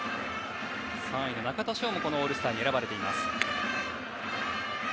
３位の中田翔もオールスターに選ばれています。